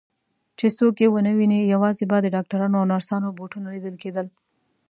چې څوک یې ونه ویني، یوازې به د ډاکټرانو او نرسانو بوټونه لیدل کېدل.